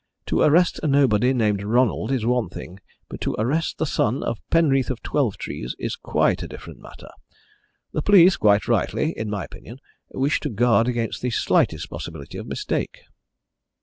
"To arrest a nobody named Ronald is one thing, but to arrest the son of Penreath of Twelvetrees is quite a different matter. The police quite rightly, in my opinion wish to guard against the slightest possibility of mistake."